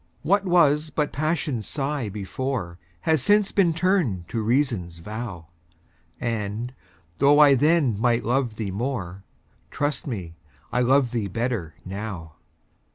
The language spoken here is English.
What was but Passion's sigh before, Has since been turned to Reason's vow; And, though I then might love thee more, Trust me, I love thee better now.